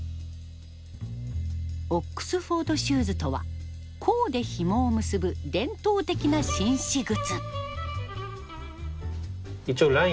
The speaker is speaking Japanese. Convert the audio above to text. オックスフォードシューズとは甲でひもを結ぶ伝統的な紳士靴。